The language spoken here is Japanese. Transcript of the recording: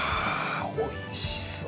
おいしそう。